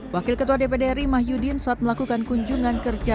wakil ketua dpdri mah yudin saat melakukan kunjungan kerja